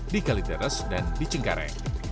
di kalideres dan di cengkareng